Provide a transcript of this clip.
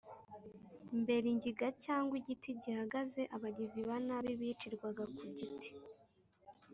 Mbere ingiga cyangwa igiti gihagaze abagizi ba nabi bicirwaga ku giti